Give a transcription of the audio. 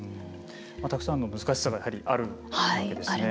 たくさんの難しさがやはりあるわけですね。